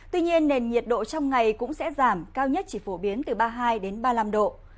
tuy nhiên nền nhiệt độ trong ngày cũng sẽ giảm cao nhất chỉ phổ biến từ ba mươi hai ba mươi năm độ